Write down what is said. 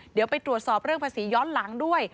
เดี๋ยวไปตรวจสอบเรื่องภาษีย้อนหลังด้วย